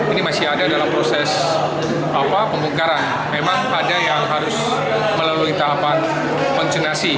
ini masih ada dalam proses pembongkaran memang ada yang harus melalui tahapan konsinasi